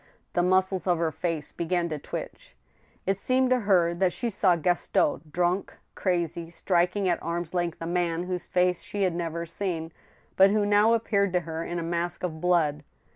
The muscles of her face began to twitch. It seemed to her that she saw Gaston drunk, crazy, striking at arm's length a man whose face she had never seen, but who now appeared to her in a mask of blood.